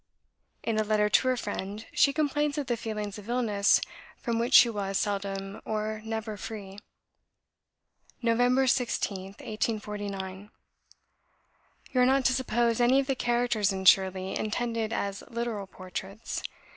In a letter to her friend she complains of the feelings of illness from which she was seldom or never free. "Nov. 16th, 1849. You are not to suppose any of the characters in 'Shirley' intended as literal portraits.